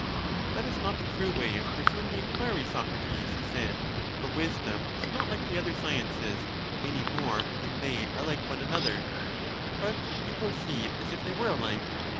That is not the true way of pursuing the inquiry, Socrates, he said; for wisdom is not like the other sciences, any more than they are like one another: but you proceed as if they were ahke.